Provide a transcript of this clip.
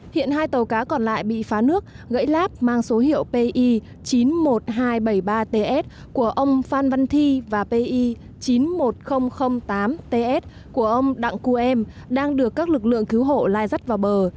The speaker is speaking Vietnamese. hiện hai tàu cá còn lại bị phá nước gãy lát mang số hiệu pi chín mươi một nghìn hai trăm bảy mươi ba ts của ông phan văn thi và pi chín mươi một nghìn tám ts của ông đặng cu em đang được các lực lượng cứu hộ lai dắt vào bờ